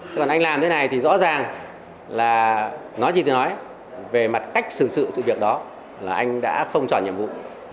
thế còn anh làm thế này thì rõ ràng là nói gì thì nói về mặt cách xử sự việc đó là anh đã không tròn nhiệm vụ